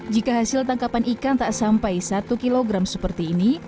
jika hasil tangkapan ikan tak sampai satu kilogram seperti ini